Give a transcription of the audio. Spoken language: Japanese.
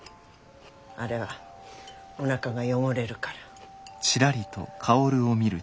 あれはおなかが汚れるから。